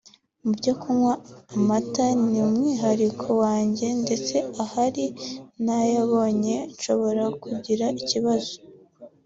Mu byo kunywa amata ni mwihariko wanjye ndetse ahari ntayabonye nshobora kugira ikibazo